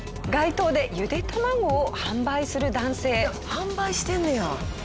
販売してんねや。